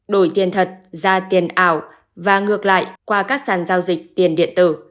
đổi tiền thật ra tiền ảo và ngược lại qua các sàn giao dịch tiền điện tử